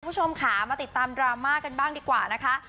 คุณผู้ชมค่ะมาติดตามดราม่ากันบ้างดีกว่านะคะ